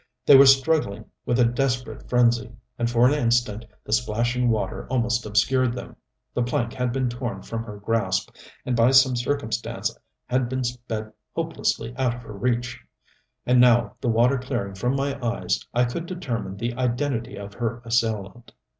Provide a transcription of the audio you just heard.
They were struggling with a desperate frenzy, and for an instant the splashing water almost obscured them. The plank had been torn from her grasp, and by some circumstance had been sped hopelessly out of her reach. And now, the water clearing from my eyes, I could determine the identity of her assailant.